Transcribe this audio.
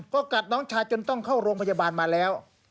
ก็กัดน้องชายจนต้องเข้าโรงพยาบาลมาแล้ว